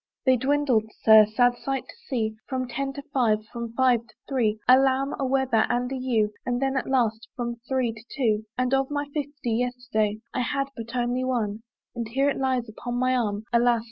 They dwindled, Sir, sad sight to see! From ten to five, from five to three, A lamb, a weather, and a ewe; And then at last, from three to two; And of my fifty, yesterday I had but only one, And here it lies upon my arm, Alas!